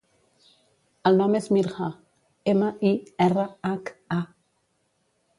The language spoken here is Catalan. El nom és Mirha: ema, i, erra, hac, a.